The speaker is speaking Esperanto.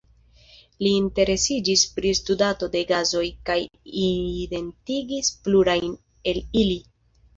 Li interesiĝis pri studado de gasoj kaj identigis plurajn el ili.